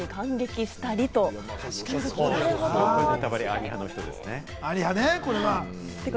あり派の人ですね。